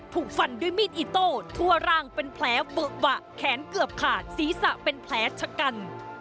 ถูกฟันด้วยมีดอิโต้ทั่วร่างเป็นแผลเวอะวะแขนเกือบขาดศีรษะเป็นแผลชะกัน